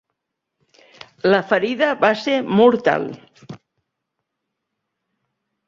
La ferida va ser mortal.